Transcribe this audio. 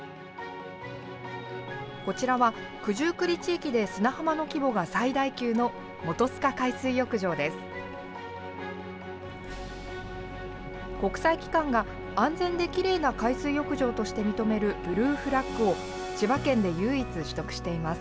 こちらは九十九里地域で砂浜の規模が最大級の本須賀海水浴場です。